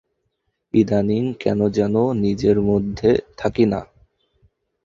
ইদানীং কেন যেন নিজের মধ্যে থাকি না।